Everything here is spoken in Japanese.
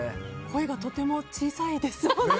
声がとても小さいですよね。